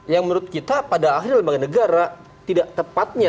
yang menurut kita pada akhirnya lembaga negara tidak tepatnya